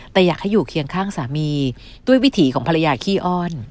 แต่อยากให้อยู่เคียงข้างสามีด้วยวิถีของภรรยาขี้อ้อน